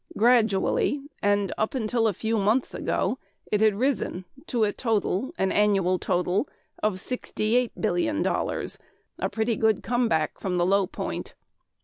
Gradually, and up to a few months ago, it had risen to a total, an annual total; of sixty eight billion dollars a pretty good come back from the low point.